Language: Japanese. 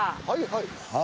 はいはい。